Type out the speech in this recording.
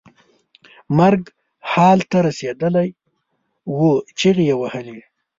مرګ حال ته رسېدلی و چغې یې وهلې.